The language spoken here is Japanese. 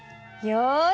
よし！